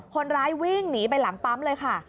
คนร้ายวิ่งหนีไปหลังปั๊มเลยค่ะ